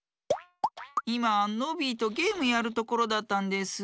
いまノビーとゲームやるところだったんです。